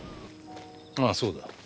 ああそうだ。